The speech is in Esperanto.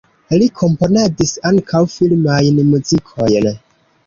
Li komponadis ankaŭ filmajn muzikojn.